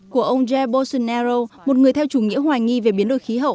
của ông jai bolsonaro một người theo chủ nghĩa hoài nghi về biến đổi khí hậu